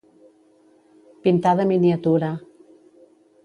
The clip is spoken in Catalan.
Pintar de miniatura.